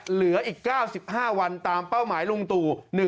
เหลืออีก๙๕วันตามเป้าหมายลุงตู่